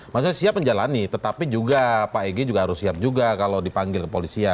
maksudnya siap menjalani tetapi juga pak egy harus siap juga kalau dipanggil ke polisi ya